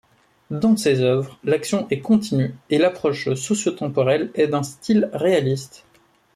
Dans ses œuvres l’action est continue et l’approche socio-temporelle est d’un style réaliste.